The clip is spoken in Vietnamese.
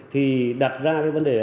thì đặt ra cái vấn đề